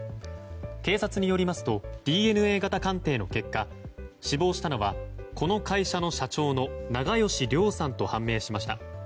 警察によりますとＤＮＡ型鑑定の結果死亡したのはこの会社の社長の長葭良さんと判明しました。